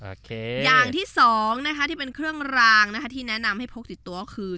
อย่างที่สองนะคะที่เป็นเครื่องรางนะคะที่แนะนำให้พกติดตัวก็คือ